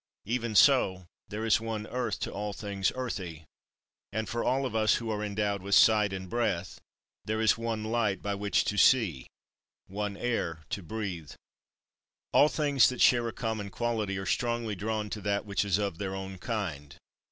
Even so, there is one earth to all things earthy; and, for all of us who are endowed with sight and breath, there is one light by which to see, one air to breathe. 9. All things that share a common quality are strongly drawn to that which is of their own kind.